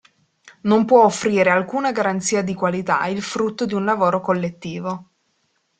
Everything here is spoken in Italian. Non può offrire alcuna garanzia di qualità il frutto di un lavoro collettivo.